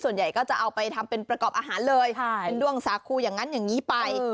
ส่วนใหญ่ก็จะเอาไปทำเป็นประกอบอาหารเลยเป็นด้วงสาคูอย่างนั้นอย่างนี้ไป